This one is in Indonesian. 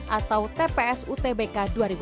atau tps utbk dua ribu dua puluh